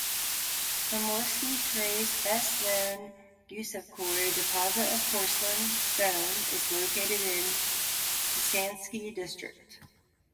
Primorsky krai's best-known Gusevskoye deposit of porcelain stone is located in Khasansky District.